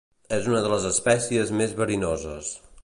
És una de les espècies més verinoses.